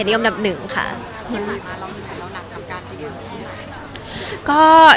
คุณผ่านมามันเหนื่อยไหมถ่ายราวหนักกับการดีเรียน